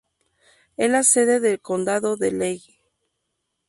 Es la sede de condado de Lehigh.